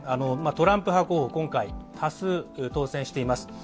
トランプ派候補、今回多数当選しています。